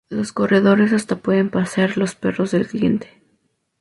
Los corredores hasta pueden pasear los perros del cliente.